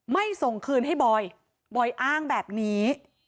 ไม่ส่งคืนให้บอยบอยอ้างแบบนี้